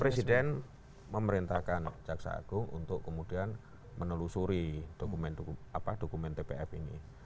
presiden memerintahkan jaksa agung untuk kemudian menelusuri dokumen tpf ini